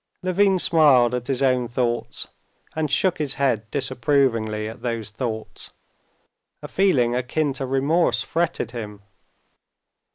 Levin smiled at his own thoughts, and shook his head disapprovingly at those thoughts; a feeling akin to remorse fretted him.